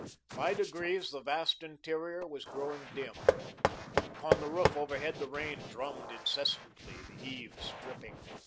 By degrees, the vast interior was growing dim. Upon the roof overhead the rain drummed incessantly, the eaves dripping.